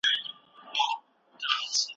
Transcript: ډيپلوماتيکي خبري پرمخ وړل کیږي.